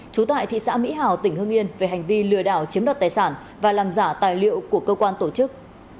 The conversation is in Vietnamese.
trú tại thị xã mỹ hào tỉnh hương yên về hành vi lừa đảo chiếm đoạt tài sản và làm giả tài liệu của cơ quan tổ chức